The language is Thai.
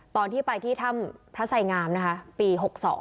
ตอนจะไปที่ถ้ำพระสัยงามพี่๖๒